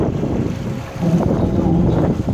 তখন তার চারটি ডানাও ছিল।